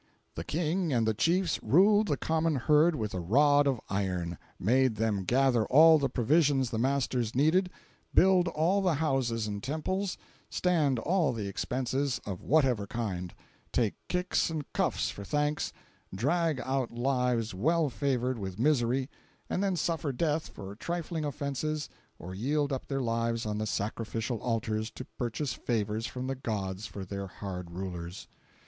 The King and the chiefs ruled the common herd with a rod of iron; made them gather all the provisions the masters needed; build all the houses and temples; stand all the expenses, of whatever kind; take kicks and cuffs for thanks; drag out lives well flavored with misery, and then suffer death for trifling offences or yield up their lives on the sacrificial altars to purchase favors from the gods for their hard rulers.